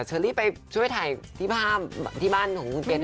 เชอรี่ไปช่วยถ่ายที่ภาพที่บ้านของคุณเป๊ก